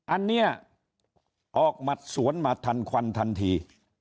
อันนี้ออกหมัดสวนมาทันควันทันที